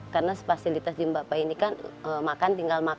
karena spasilitas di mbapak ini kan makan tinggal makan